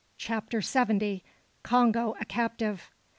CHAPTER SEVENTY. CONGO A CAPTIVE.